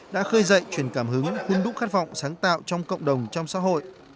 đã khơi dậy truyền cảm hứng hôn đúc khát vọng sáng tạo trong cộng đồng trong xã hội